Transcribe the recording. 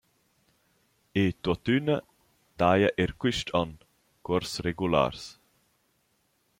E tuottüna daja eir quist on cuors regulars.